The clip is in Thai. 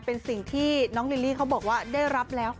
เป็นสิ่งที่น้องลิลลี่เขาบอกว่าได้รับแล้ว